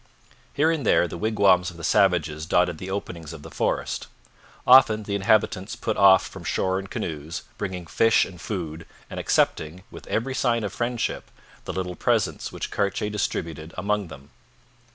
Here and there the wigwams of the savages dotted the openings of the forest. Often the inhabitants put off from shore in canoes, bringing fish and food, and accepting, with every sign of friendship, the little presents which Cartier distributed among them.